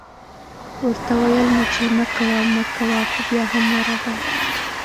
ورته ویل مې چې مه کوه مه کوه خو بیا هم ورغی